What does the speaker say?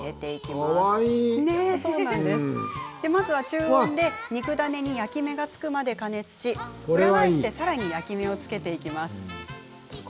まずは中温で、肉ダネに焼き目がつくまで加熱し裏返してさらに焼き目をつけていきます。